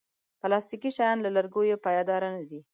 پلاستيکي شیان له لرګیو پایداره نه دي.